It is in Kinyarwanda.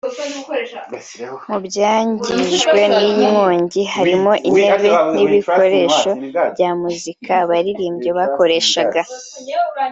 Mu byangijwe n’iyi nkongi harimo intebe n’ibikoresho bya muzika abaririmbyi bakoreshaga